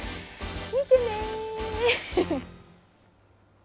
見てねー！